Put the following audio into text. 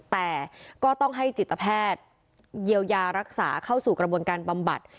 แต่ก็ต้องให้จิตแพทย์เยียวยารักษาเข้าสู่กระบวนการบำบัด